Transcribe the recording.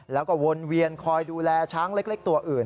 แล้วก็วนเวียนคอยดูแลช้างเล็กตัวอื่น